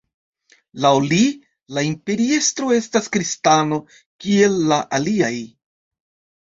Laŭ li, la imperiestro estas kristano kiel la aliaj.